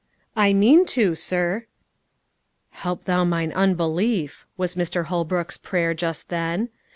"I mean to, sir." "'Help Thou mine unbelief,'" was Mr. Holbrook's prayer just then.